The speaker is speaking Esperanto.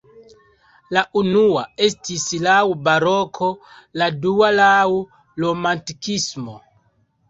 La unua estis laŭ baroko, la dua laŭ romantikismo.